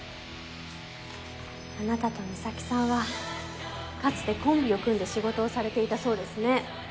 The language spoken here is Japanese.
あなたと美咲さんはかつてコンビを組んで仕事をされていたそうですね。